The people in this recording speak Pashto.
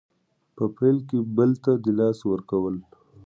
په پیل کې بل ته د لاس ورکول